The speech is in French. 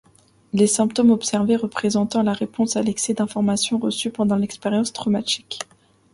Les symptômes observés représentent la réponse à l'excès d'information reçue pendant l'expérience traumatique.